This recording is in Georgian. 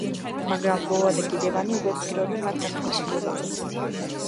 მაგრამ ვოვა და გედევანი უკვე ფიქრობენ მათ გათავისუფლებაზე.